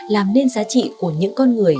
làm nên giá trị của những con người